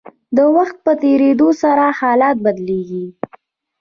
د وخت په تیریدو سره حالات بدلیږي.